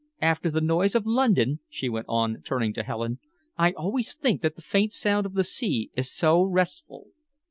After the noise of London," she went on, turning to Helen, "I always think that the faint sound of the sea is so restful."